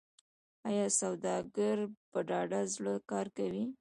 آیا سوداګر په ډاډه زړه کار کوي؟